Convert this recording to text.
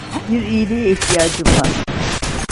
Bir iyiliğe ihtiyacım var.